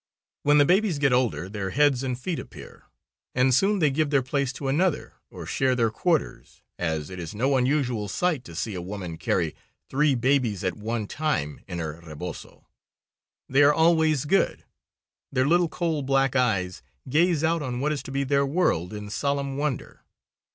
When the babies get older their heads and feet appear, and soon they give their place to another or share their quarters, as it is no unusual sight to see a woman carry three babies at one time in her rebozo. They are always good. Their little coal black eyes gaze out on what is to be their world, in solemn wonder.